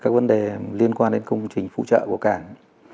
thì liên quan đến công trình phụ trợ của cảng